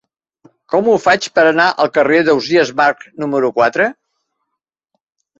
Com ho faig per anar al carrer d'Ausiàs Marc número quatre?